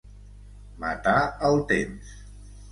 Matar el temps.